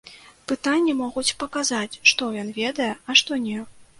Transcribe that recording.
Пытанні могуць паказаць, што ён ведае, а што не.